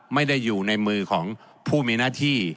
ไม่ได้อยู่ในมือของผู้มีหน้าที่